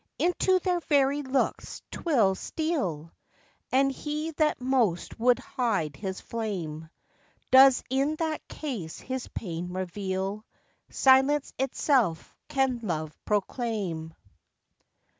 Into their very looks 'twill steal, And he that most would hide his flame, Does in that case his pain reveal: Silence itself can love proclaim.